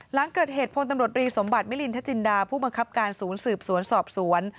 หลังเกิดเหตุพลตำรวจรีสมบัติมิลินทจินดาผู้บังคับการศูนย์สืบสวนสอบสวน